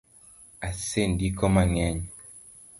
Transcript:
Asendiko mangeny